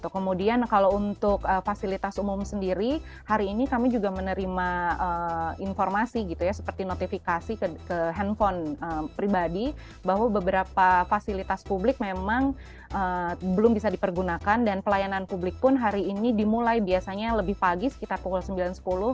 kemudian kalau untuk fasilitas umum sendiri hari ini kami juga menerima informasi gitu ya seperti notifikasi ke handphone pribadi bahwa beberapa fasilitas publik memang belum bisa dipergunakan dan pelayanan publik pun hari ini dimulai biasanya lebih pagi sekitar pukul sembilan sepuluh